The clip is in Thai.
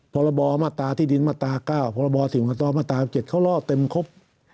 พรมาตราที่ดินมาตรา๙พรศิษย์มาตรา๑๗เขาลอกเต็มครบ